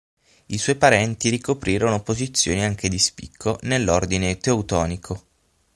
I suoi parenti ricoprirono posizioni anche di spicco nell'Ordine teutonico.